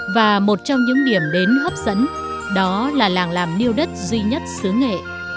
và một trong những điểm đến hấp dẫn đó là làng làm nưu đất duy nhất xứ nghệ